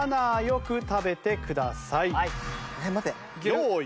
用意。